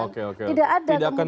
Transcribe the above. tidak ada kemungkinan